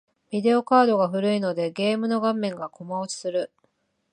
ビデオカードが古いので、ゲームの画面がコマ落ちする。